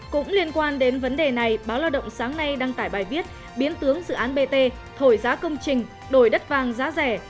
cũng liên quan đến vấn đề này báo lao động sáng nay đăng tải bài viết biến tướng dự án bt thổi giá công trình đổi đất vàng giá rẻ